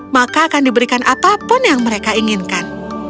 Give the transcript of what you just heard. maka akan diberikan apa pun yang mereka inginkan